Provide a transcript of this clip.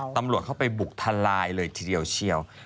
ตำรวจเป็นตั้งทุเรือที่ผมแพทย์